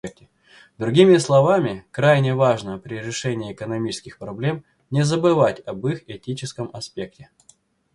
Другими словами, крайне важно при решении экономических проблем не забывать об их этическом аспекте.